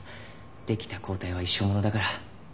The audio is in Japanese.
できた抗体は一生ものだから。